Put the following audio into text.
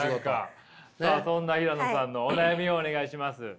そんな平野さんのお悩みをお願いします。